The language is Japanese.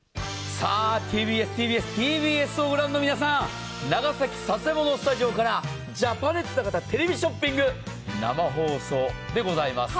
さあ、ＴＢＳ、ＴＢＳ、ＴＢＳをご覧の皆さん、長崎・佐世保のスタジオからジャパネットテレビショッピング、生放送でございます。